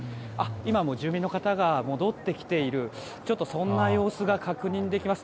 今も住民の方が戻ってきている様子が確認できます。